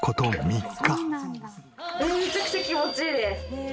めちゃくちゃ気持ちいいです。